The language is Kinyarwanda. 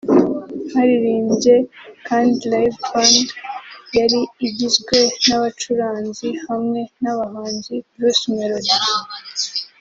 Haririmbye kandi Live Band yari igizwe n’abacuranzi hamwe n’abahanzi Bruce Melody